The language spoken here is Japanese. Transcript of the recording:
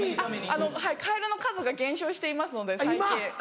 あのはいカエルの数が減少していますので最近。